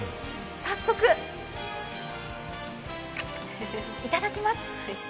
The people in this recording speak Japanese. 早速、いただきます。